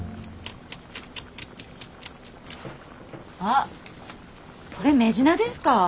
あっこれメジナですか？